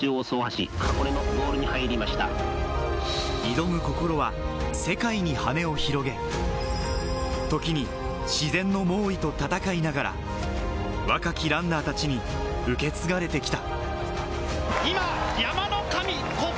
挑む心は世界に羽を広げ、ときに自然の猛威と戦いながら、若きランナーたちに受け継がれてきた。